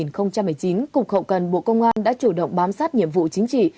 sau tháng đầu năm hai nghìn một mươi chín cục hậu cần bộ công an đã chủ động bám sát nhiệm vụ chính trị